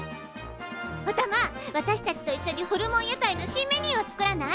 おたま私たちといっしょにホルモン屋台の新メニューを作らない？